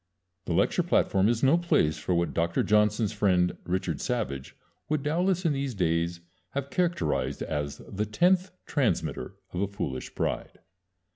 The lecture platform is no place for what Doctor Johnson's friend Richard Savage would doubtless in these days have characterized as "the tenth transmitter of a foolish pride."